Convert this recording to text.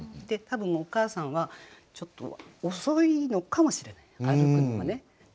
多分お母さんはちょっと遅いのかもしれない歩くのがね。